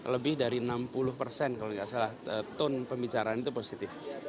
lebih dari enam puluh persen kalau tidak salah tone pembicaraan itu positif